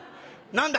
何だ？」。